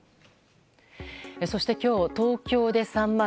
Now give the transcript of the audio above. そして今日、東京で３万。